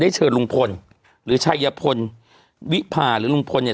เชิญลุงพลหรือชัยพลวิพาหรือลุงพลเนี่ย